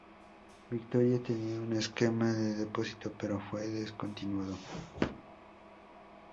Victoria tenía un esquema de depósito, pero fue descontinuado.